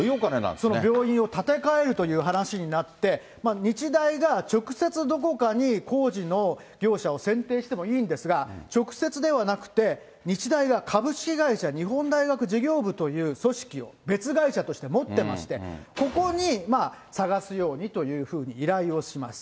その病院を建て替えるという話になって、日大が直接どこかに工事の業者を選定してもいいんですが、直接ではなくて、日大が株式会社日本大学事業部という組織、別会社として持ってまして、ここに探すようにというふうに依頼をします。